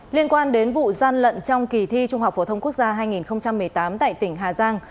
liên quan đến vụ gian lận trong kỳ thi trung học phổ thông quốc gia hai nghìn một mươi tám tại tỉnh hà giang